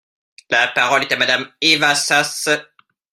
La parole est à Madame Eva Sas.